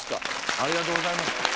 ありがとうございます。